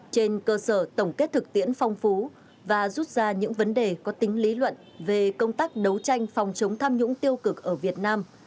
trên cơ sở tổng kết thực tiễn phong phú và rút ra những vấn đề có tính lý luận về công tác đấu tranh phòng chống tham nhũng tiêu cực ở việt nam